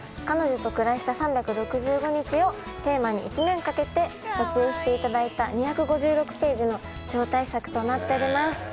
彼女と暮らした３６５日をテーマに１年かけて撮影していただいた２５６ページの超大作となっております。